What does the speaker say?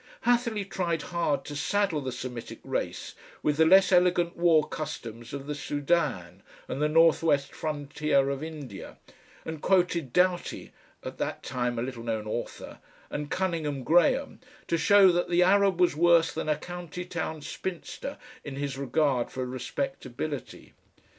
Hatherleigh tried hard to saddle the Semitic race with the less elegant war customs of the Soudan and the northwest frontier of India, and quoted Doughty, at that time a little known author, and Cunninghame Graham to show that the Arab was worse than a county town spinster in his regard for respectability.